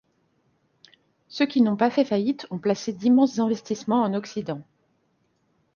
Ceux qui n’ont pas fait faillite ont placé d’immenses investissements en Occident.